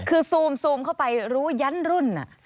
คือซูมเข้าไปรู้ยั้นรุ่น